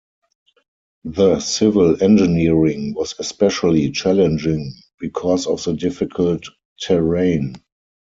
The civil engineering was especially challenging because of the difficult terrain.